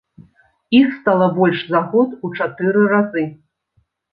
Іх стала больш за год у чатыры разы!